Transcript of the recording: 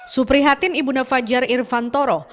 suprihatin ibuna fajar irfan toro